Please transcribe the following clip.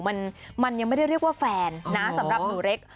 มันมันยังไม่ได้เรียกว่าแฟนนะสำหรับหนูเล็ก